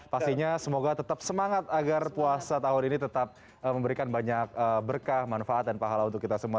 pastinya semoga tetap semangat agar puasa tahun ini tetap memberikan banyak berkah manfaat dan pahala untuk kita semua